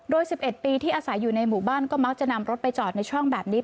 โดย๑๑ปีที่อาศัยอยู่ในหมู่บ้านก็มักจะนำรถไปจอดในช่องแบบนี้